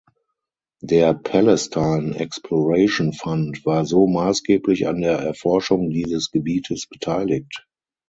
Der Palestine Exploration Fund war so maßgeblich an der Erforschung dieses Gebietes beteiligt.